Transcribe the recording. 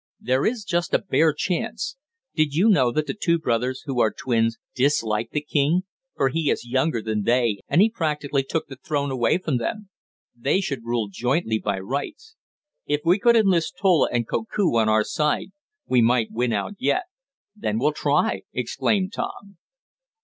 There is just a bare chance. Did you know that the two brothers, who are twins, dislike the king, for he is younger than they, and he practically took the throne away from them. They should rule jointly by rights. If we could enlist Tola and Koku on our side we might win out yet." "Then we'll try!" exclaimed Tom.